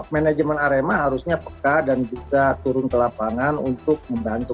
manajemen arema harusnya peka dan bisa turun ke lapangan untuk membantu